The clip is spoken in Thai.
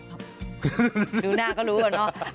ดูหน้าก็รู้ก่อนเนอะ